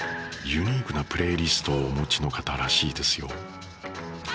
ユニークなプレイリストをお持ちの方らしいですよ。